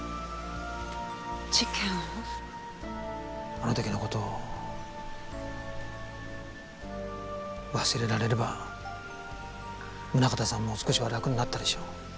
あの時の事を忘れられれば宗形さんも少しは楽になったでしょう。